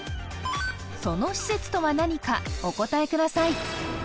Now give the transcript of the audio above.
その施設とは何かお答えください